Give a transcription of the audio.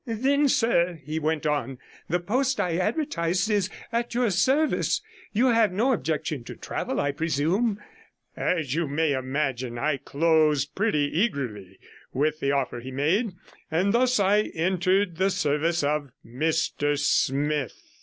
'Then sir,' he went on, 'the post I advertised is at your service. You have no objection to travel, I presume?' As you may imagine, I closed pretty eagerly with the offer he made, and thus I entered the service of Mr Smith.